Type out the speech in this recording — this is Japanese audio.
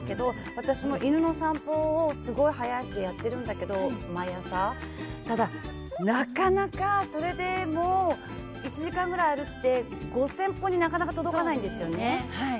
私も犬の散歩をすごい速足で毎朝やってるけどただ、なかなかそれで１時間ぐらい歩いて５０００歩になかなか届かないんですよ。